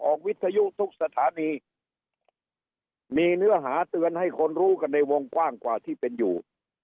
วิทยุทุกสถานีมีเนื้อหาเตือนให้คนรู้กันในวงกว้างกว่าที่เป็นอยู่